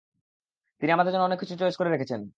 তিনি আমাদের জন্য অনেক কিছু চয়েস করে রেখেছেন।